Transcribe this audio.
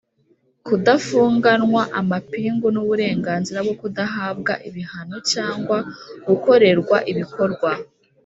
kudafunganwa amapingu n uburenganzira bwo kudahabwa ibihano cyangwa gukorerwa ibikorwa